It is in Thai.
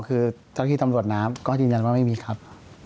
คือเจ้าที่ตำรวจน้ำก็ยืนยันว่าไม่มีครับ